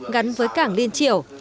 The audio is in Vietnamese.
gắn với cảng liên triểu